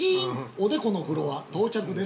おでこのフロア到着です。